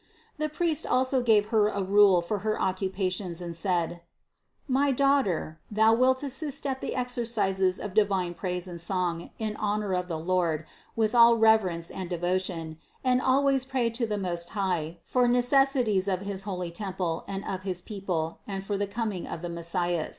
The priest also gave Her a rule for her occupa tions and said : "My Daughter thou wilt assist at the ex ercises of divine praise and song in honor of the Lord with all reverence and devotion, and always pray to the Most High for the necessities of his holy temple and of his people, and for the coming of the Messias.